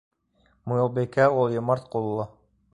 Муйылбикә ул йомарт ҡуллы.